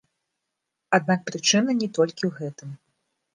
Аднак прычына не толькі ў гэтым.